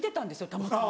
たまたま。